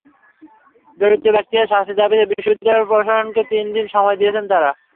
জড়িত ব্যক্তিদের শাস্তির দাবিতে বিশ্ববিদ্যালয় প্রশাসনকে তিন দিন সময় দিয়েছেন তাঁরা।